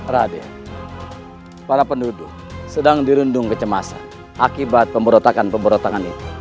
raden para penduduk sedang dirundung kecemasan akibat pemberotakan pemberotangan itu